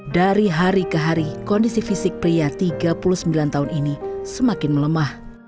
dari hari ke hari kondisi fisik pria tiga puluh sembilan tahun ini semakin melemah